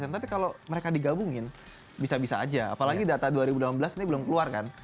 tapi kalau mereka digabungin bisa bisa aja apalagi data dua ribu delapan belas ini belum keluar kan